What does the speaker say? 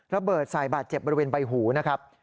ระเบิดใส่บาดเจ็บบริเวณใบหูนะครับ